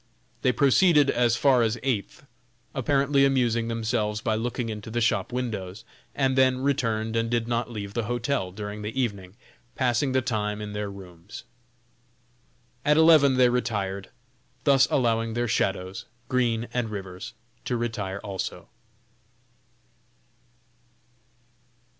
They proceeded as far as Eighth, apparently amusing themselves by looking into the shop windows, and then returned and did not leave the hotel during the evening, passing the time in their rooms. At eleven they retired, thus allowing their "shadows," Green and Rivers to retire also.